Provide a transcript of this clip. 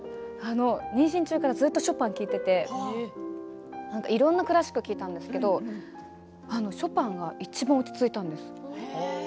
妊娠中からずっとショパンを聴いていていろいろなクラシックを聴いたんですけれどショパンがいちばん落ち着いたんです。